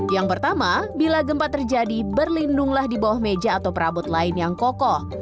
yang pertama bila gempa terjadi berlindunglah di bawah meja atau perabot lain yang kokoh